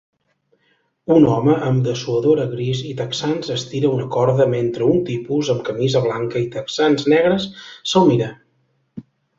Un home amb dessuadora gris i texans estira una corda mentre un tipus amb camisa blanca i texans negres se'l mira